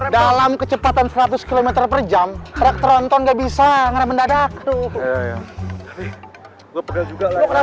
dalam kecepatan seratus km per jam krek tronton gak bisa ngerempet dadak juga